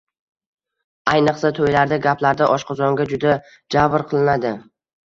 Ayniqsa, to‘ylarda, gaplarda oshqozonga juda javr qilinadi.